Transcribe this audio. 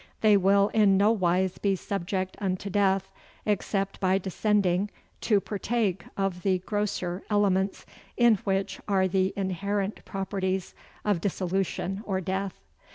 They will in no wise be subject unto death, except by descending to partake of the grosser elements, in which are the inherent properties of dissolution or death.